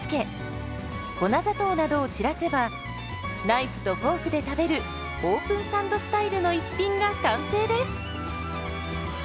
ナイフとフォークで食べるオープンサンドスタイルの一品が完成です。